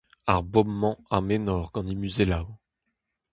Ar bobl-mañ am enor gant he muzelloù.